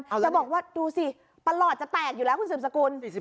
คือบอกว่าดูสิพรรหอจะแตกอยู่แล้วคุณซึมสกุล